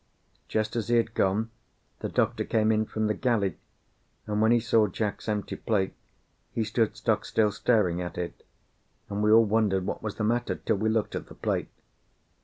Just as he had gone, the doctor came in from the galley, and when he saw Jack's empty plate he stood stock still staring at it; and we all wondered what was the matter, till we looked at the plate.